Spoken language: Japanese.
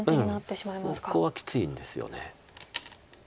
そこはきついんですよね。